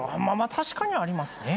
確かにありますね。